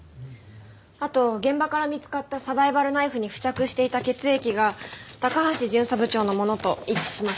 あと現場から見つかったサバイバルナイフに付着していた血液が高橋巡査部長のものと一致しました。